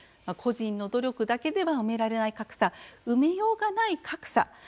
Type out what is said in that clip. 個人の努力だけでは埋められない格差埋めようがない格差